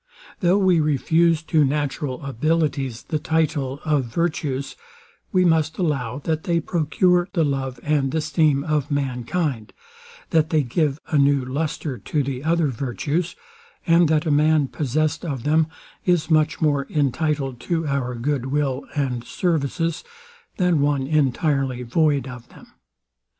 Though we refuse to natural abilities the title of virtues, we must allow, that they procure the love and esteem of mankind; that they give a new lustre to the other virtues; and that a man possessed of them is much more intitled to our good will and services, than one entirely void of them.